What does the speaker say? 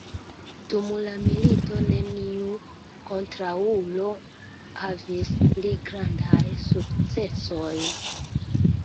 Dum la milito neniu kontraŭulo havis pli grandaj sukcesojn.